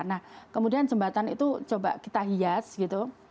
nah kemudian jembatan itu coba kita hias gitu